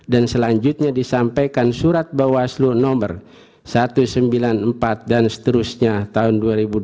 dan selanjutnya disampaikan surat bawah seluruh nomor satu ratus sembilan puluh empat dan seterusnya tahun dua ribu dua puluh empat